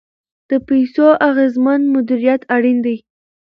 د پیسو اغیزمن مدیریت اړین دی.